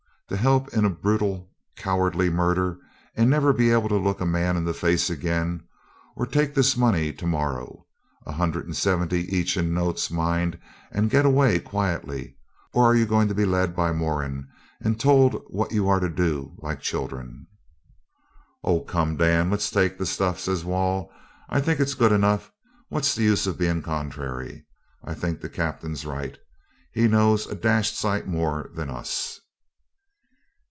To help in a brutal, cowardly murder, and never be able to look a man in the face again, or to take this money to morrow? a hundred and seventy each in notes, mind, and get away quietly or are you going to be led by Moran, and told what you are to do like children?' 'Oh come, Dan, let's take the stuff,' says Wall. 'I think it's good enough. What's the use of being contrary? I think the Captain's right. He knows a dashed sight more than us.'